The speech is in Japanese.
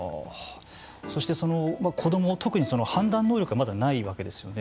そして、子ども特に判断能力がまだないわけですよね。